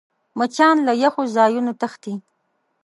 مچان له یخو ځایونو تښتي